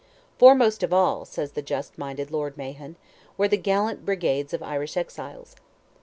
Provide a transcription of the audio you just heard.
"Foremost of all," says the just minded Lord Mahon, "were the gallant brigade of Irish exiles."